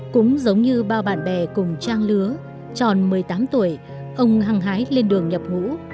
cũng giống như bao bạn bè cùng trang lứa tròn một mươi tám tuổi ông hăng hái lên đường nhập ngũ